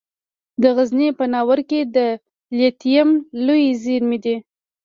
د غزني په ناوور کې د لیتیم لویې زیرمې دي.